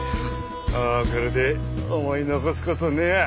もうこれで思い残す事ねえわ。